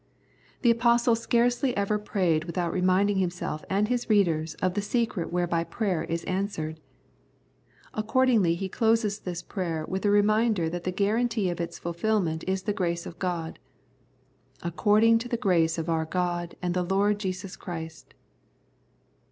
The Apostle scarcely ever prayed without reminding himself and his readers of the secret whereby prayer is answered. Ac cordingly he closes this prayer with a re minder that the guarantee of its fulfilment is the grace of God —" According to the grace of our God and the Lord Jesus Christ."